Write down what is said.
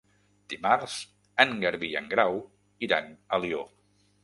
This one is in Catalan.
Dimarts en Garbí i en Grau iran a Alió.